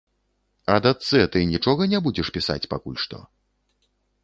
А дачцэ ты нічога не будзеш пісаць пакуль што?